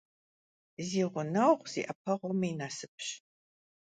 Зи гъунэгъу зи Iэпэгъум и насыпщ.